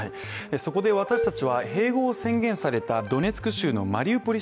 そこで私たちは併合を宣言されたドネツク州のマリウポリ